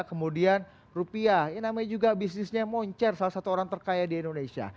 kemudian rupiah ini namanya juga bisnisnya moncer salah satu orang terkaya di indonesia